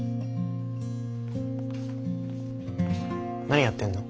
何やってんの？